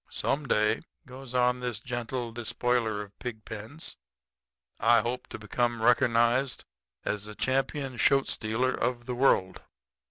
Some day,' goes on this gentle despoiler of pig pens, 'I hope to become reckernized as the champion shoat stealer of the world.'